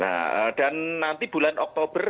nah dan nanti bulan oktober